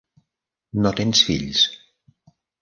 No tens fills.